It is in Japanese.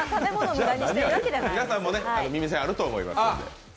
皆さんも耳栓あると思いますので。